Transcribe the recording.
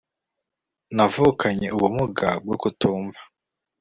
navukanye ubumuga bwo kutumva